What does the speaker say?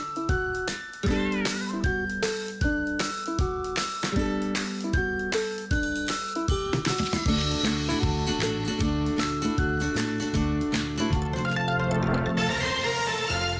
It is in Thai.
สวัสดีค่ะ